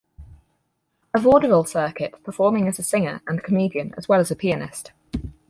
A. vaudeville circuit, performing as a singer and comedian as well as a pianist.